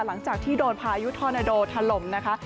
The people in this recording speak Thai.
หลังจากที่โดนพายุทอนาโดถล่มนะคะ